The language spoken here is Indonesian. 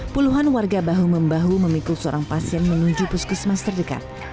puluhan warga bahu membahu memikul seorang pasien menuju puskesmas terdekat